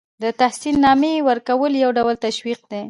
د تحسین نامې ورکول یو ډول تشویق دی.